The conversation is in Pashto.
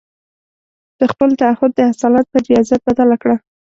د خپل تعهد د اصالت پر رياضت بدله کړه.